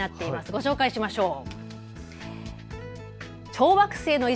ご紹介しましょう。